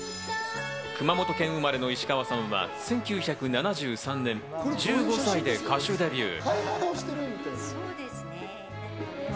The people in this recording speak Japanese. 熊本県生まれの石川さんは１９７３年、１５歳で歌手デビュー。